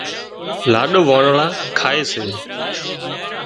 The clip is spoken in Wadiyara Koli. لاڏِو وانۯا کائي سي